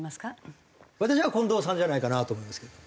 私は近藤さんじゃないかなと思いますけど。